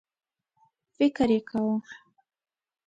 فکر یې کاوه.